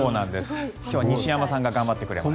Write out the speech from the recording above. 今日はニシヤマさんが頑張ってくれました。